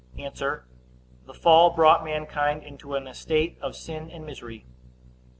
A. The fall brought mankind into an estate of sin and misery. Q.